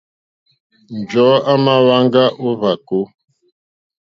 Njɔ̀ɔ́ à mà hwáŋgá ó hwàkó.